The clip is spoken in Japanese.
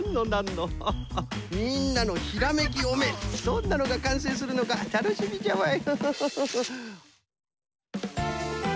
みんなのひらめきおめんどんなのがかんせいするのかたのしみじゃわい。